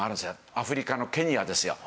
アフリカのケニアですよ。